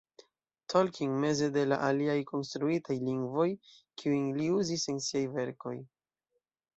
Tolkien meze de la aliaj konstruitaj lingvoj, kiujn li uzis en siaj verkoj.